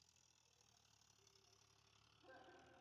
Miami ni kuzuri